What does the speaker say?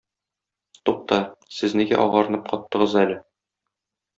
Тукта, сез нигә агарынып каттыгыз әле?